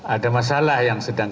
ada masalah yang sedang